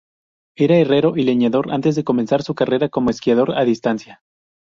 Era herrero y leñador antes de comenzar su carrera como esquiador a distancia.